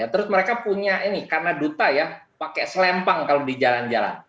terus mereka punya ini karena duta ya pakai selempang kalau di jalan jalan